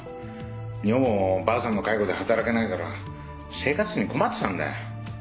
女房もばあさんの介護で働けないから生活費に困ってたんだよ。